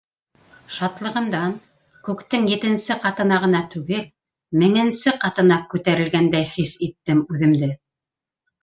Шатлығымдан күктең етенсе ҡатына ғына түгел, меңенсе ҡатына күтәрелгәндәй хис иттем үҙемде.